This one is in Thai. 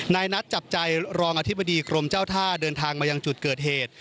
นายนัดจับใจรองอธิบดีกรมเจ้าท่าเดินทางมายังจุดเกิดเหตุ